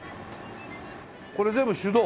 これ全部手動？